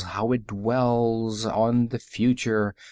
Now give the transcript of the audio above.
How it dwells On the Future!